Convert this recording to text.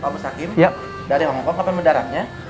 pak pesakim dari hongkong kapan mendaratnya